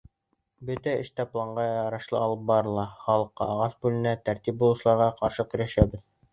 — Бөтә эш тә планға ярашлы алып барыла: халыҡҡа ағас бүленә, тәртип боҙоусыларға ҡаршы көрәшәбеҙ.